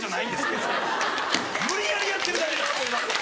決して無理やりやってるだけ。